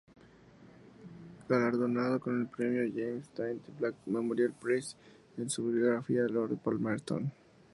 Galardonado con el premio James Tait Black Memorial Prize por su biografía "Lord Palmerston".